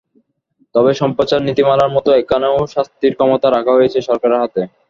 তবে সম্প্রচার নীতিমালার মতো এখানেও শাস্তির ক্ষমতা রাখা হয়েছে সরকারের হাতে।